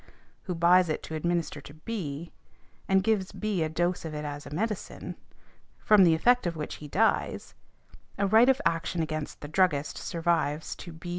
who buys it to administer to B., and gives B. a dose of it as a medicine, from the effect of which he dies, a right of action against the druggist survives to B.